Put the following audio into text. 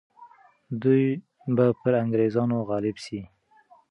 دوی به پر انګریزانو غالب سي.